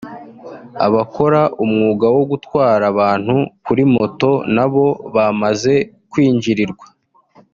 abakora umwuga wo gutwara abantu kuri moto nabo bamaze kwinjirirwa